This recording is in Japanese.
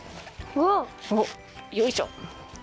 うわっ！おっよいしょ。